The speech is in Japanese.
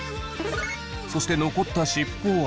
そして残った尻尾は。